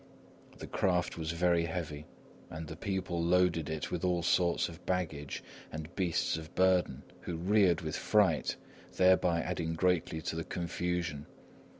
The craft was very heavy, and the people loaded it with all sorts of baggage, and beasts of burden, who reared with fright, thereby adding greatly to the confusion.